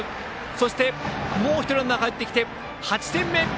そして、もう１人ランナーがかえってきて８点目！